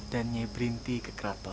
dan nyai berintik ke keraton